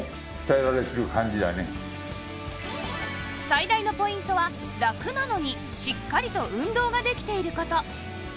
最大のポイントはラクなのにしっかりと運動ができている事